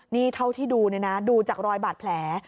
นี่เท่าที่ดูเนี่ยนะดูจากรอยบาดแผล